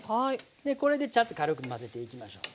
でこれでちゃっと軽く混ぜていきましょう。